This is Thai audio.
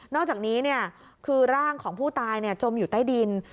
อกจากนี้คือร่างของผู้ตายจมอยู่ใต้ดิน